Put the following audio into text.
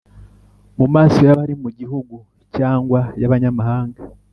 mu maso y'abari mu gihugu cyangwa y'abanyamahanga